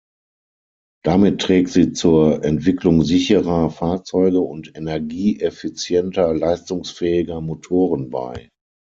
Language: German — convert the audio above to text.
Damit trägt sie zur Entwicklung sicherer Fahrzeuge und energieeffizienter, leistungsfähiger Motoren bei.